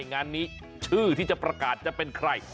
งานนี้ชื่อที่จะประกาศจะเป็นใคร